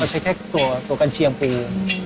ใช้แค่ตัวกัญเชียงปี